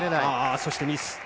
そしてミス！